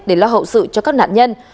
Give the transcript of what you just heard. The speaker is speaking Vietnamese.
để lo hậu sự cho các nạn nhân